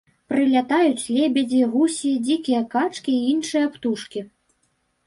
Прылятаюць лебедзі, гусі, дзікія качкі і іншыя птушкі.